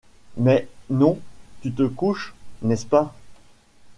Mais, non, tu te couches, n’est-ce pas ?